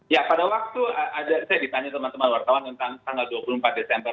ya pada waktu saya ditanya teman teman wartawan tentang tanggal dua puluh empat desember